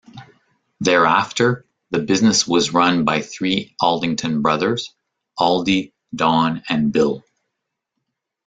Thereafter, the business was run by the three Aldington brothers, Aldy, Don and Bill.